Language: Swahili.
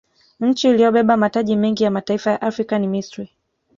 nchi iliyobeba mataji mengi ya mataifa ya afrika ni misri